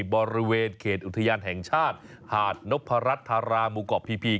บริเวณเขตอุทยานแห่งชาติหาดนพรัชธารามูเกาะพี